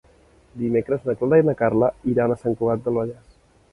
Dimecres na Clara i na Carla iran a Sant Cugat del Vallès.